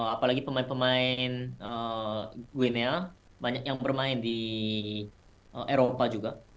apalagi pemain pemain gwina banyak yang bermain di eropa juga